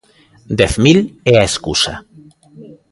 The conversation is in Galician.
Dez mil é a escusa.